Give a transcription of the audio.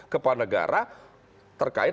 kepada negara terkait